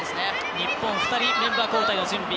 日本２人メンバー交代の準備。